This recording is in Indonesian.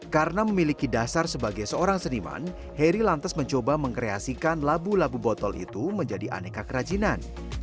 karena memiliki dasar sebagai seorang seniman heri lantas mencoba mengkreasikan labu labu botol itu menjadi aneka kerajinan